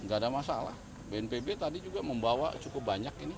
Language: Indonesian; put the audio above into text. nggak ada masalah bnpb tadi juga membawa cukup banyak ini